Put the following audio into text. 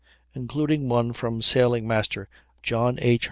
including one from Sailing master John H.